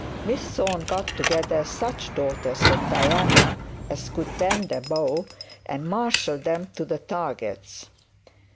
Miss Thorne got together such daughters of Diana as could bend a bow, and marshalled them to the targets.